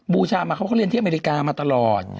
บูชามาเขาก็เรียนที่อเมริกามาตลอด